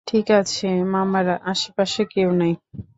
ঠিক আছে, মামারা, আশেপাশে কেউ নাই।